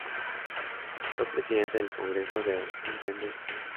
Fue Presidente del Congreso de Intendentes.